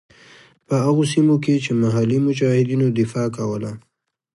په هغو سیمو کې چې محلي مجاهدینو دفاع کوله.